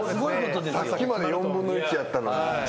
さっきまで４分の１やったのに。